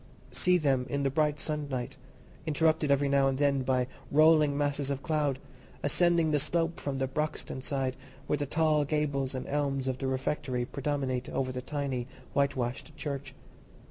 See them in the bright sunlight, interrupted every now and then by rolling masses of cloud, ascending the slope from the Broxton side, where the tall gables and elms of the rectory predominate over the tiny whitewashed church.